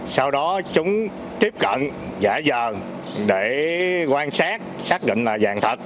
sau đó chúng tiếp cận giả dờ để quan sát xác định là vàng thật